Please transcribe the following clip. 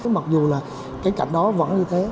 mặc dù là cái cảnh đó vẫn như thế